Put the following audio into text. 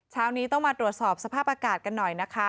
เช้านี้ต้องมาตรวจสอบสภาพอากาศกันหน่อยนะคะ